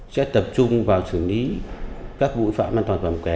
sẽ tập trung vào xử lý các vụ phạm an toàn phòng kẻ